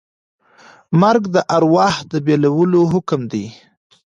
مرګ د ارواح د بېلولو حکم دی.